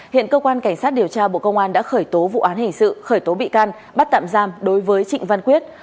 hiện cơ quan cảnh sát điều tra bộ công an đã khởi tố vụ án hình sự khởi tố bị can bắt tạm giam đối với trịnh văn quyết